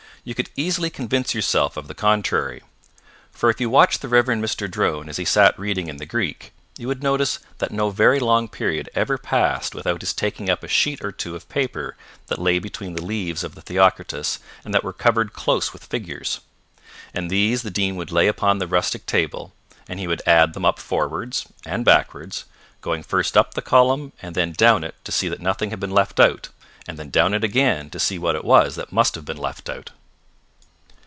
You could easily convince yourself of the contrary. For if you watched the Rev. Mr. Drone as he sat reading in the Greek, you would notice that no very long period every passed without his taking up a sheet or two of paper that lay between the leaves of the Theocritus and that were covered close with figures. And these the Dean would lay upon the rustic table, and he would add them up forwards and backwards, going first up the column and then down it to see that nothing had been left out, and then down it again to see what it was that must have been left out.